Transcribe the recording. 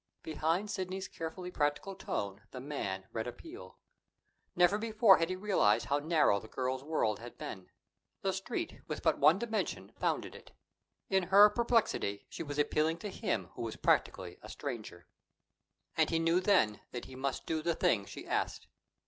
Behind Sidney's carefully practical tone the man read appeal. Never before had he realized how narrow the girl's world had been. The Street, with but one dimension, bounded it! In her perplexity, she was appealing to him who was practically a stranger. And he knew then that he must do the thing she asked.